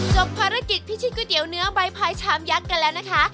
จบภารกิจพิชิตก๋วยเตี๋ยวเนื้อใบไพรชามยักษ์กันแล้วนะคะ